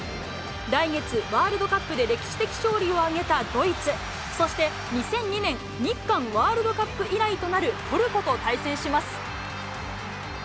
来月、ワールドカップで歴史的勝利を挙げたドイツ、そして２００２年日韓ワールドカップ以来となるトルコと対戦します。